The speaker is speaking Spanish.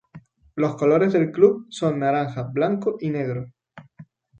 Los colores del club son naranja, blanco y negro.